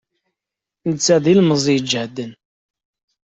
Netta d ilemẓi ijehden.